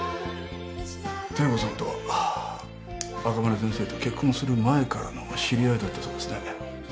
汀子さんとは赤羽先生と結婚する前からのお知り合いだったそうですね？